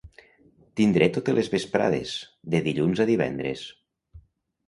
Tindré totes les vesprades, de dilluns a divendres.